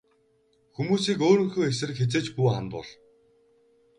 Хүмүүсийг өөрийнхөө эсрэг хэзээ ч бүү хандуул.